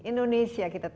indonesia kita tahu kan